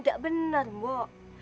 tidak benar mbok